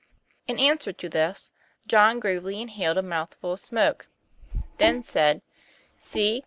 In answer to this, John gravely inhaled a mouth ful of smoke; then said: "See!